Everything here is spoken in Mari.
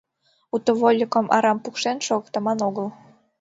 Уто вольыкым арам пукшен шогыктыман огыл.